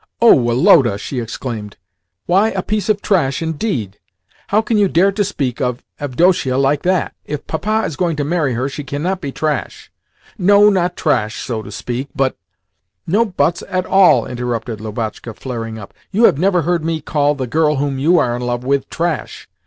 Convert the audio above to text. "Oh, Woloda!" she exclaimed. "Why 'a piece of trash' indeed? How can you dare to speak of Avdotia like that? If Papa is going to marry her she cannot be 'trash.'" "No, not trash, so to speak, but " "No 'buts' at all!" interrupted Lubotshka, flaring up. "You have never heard me call the girl whom you are in love with 'trash!